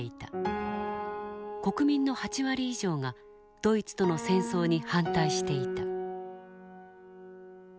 国民の８割以上がドイツとの戦争に反対していた。